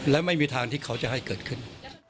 และไม่มีทางที่เขาจะให้เกิดขึ้น